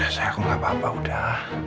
eh udah sayang aku gak apa apa udah